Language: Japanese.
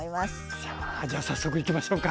さあじゃ早速いきましょうか。